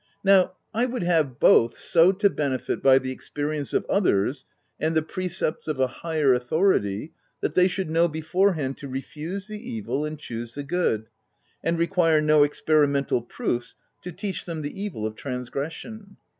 Now I would have both so to benefit by the experience of others, and the precepts of a higher authority, that they should know before hand to refuse the evil and choose the good, and require no experimental proofs to teach 58 THE TENANT them the evil of transgression.